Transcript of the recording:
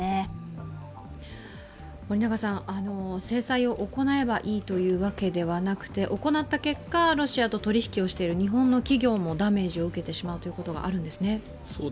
制裁を行えばいいというわけではなくて、行った結果、ロシアと取り引きをしている日本の企業もダメージを受けてしまうということがあるんですね。